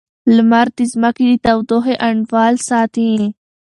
لمر د ځمکې د تودوخې انډول ساتي.